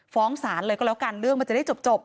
ฟ้องศาลเลยก็แล้วกันเรื่องมันจะได้จบ